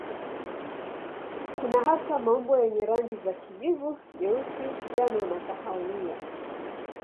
Kuna hasa maumbo yenye rangi za kijivu, nyeusi, njano na kahawia.